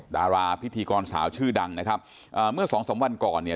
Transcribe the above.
ดาราพิธีกรสาวชื่อดังนะครับอ่าเมื่อสองสามวันก่อนเนี่ย